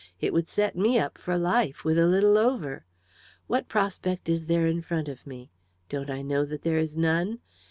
It would set me up for life, with a little over. What prospect is there in front of me don't I know that there is none?